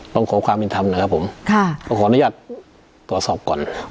ต้องขอความเป็นธรรมนะครับผมค่ะต้องขออนุญาตตรวจสอบก่อน